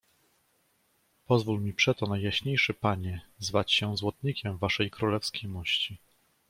"Pozwól mi przeto, Najjaśniejszy Panie, zwać się złotnikiem Waszej królewskiej mości."